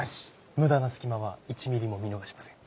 無駄な隙間は１ミリも見逃しません。